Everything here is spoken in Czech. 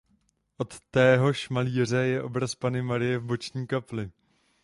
Od téhož malíře je obraz Panny Marie v boční kapli.